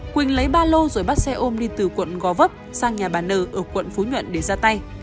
quỳnh lấy ba lô rồi bắt xe ôm đi từ quận gò vấp sang nhà bà n ở quận phú nhuận để ra tay